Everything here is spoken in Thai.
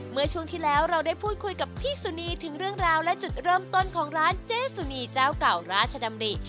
เมื่อช่วงที่แล้วเราได้พูดคุยกับพี่สุนีถึงเรื่องราวและจุดเริ่มต้นของร้านเจสุนีเจ้าเก่าราชดำริ